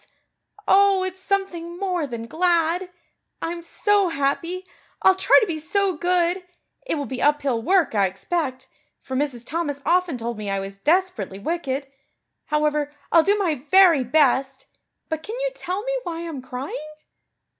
Oh, it's something more than glad. I'm so happy. I'll try to be so good. It will be uphill work, I expect, for Mrs. Thomas often told me I was desperately wicked. However, I'll do my very best. But can you tell me why I'm crying?"